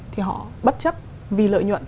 thì họ bất chấp vì lợi nhuận